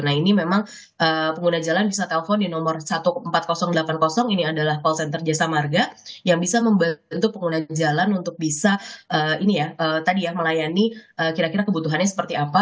nah ini memang pengguna jalan bisa telpon di nomor empat ribu delapan puluh ini adalah call center jasa marga yang bisa membantu pengguna jalan untuk bisa ini ya tadi ya melayani kira kira kebutuhannya seperti apa